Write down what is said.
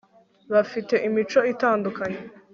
bafite imico itandukanye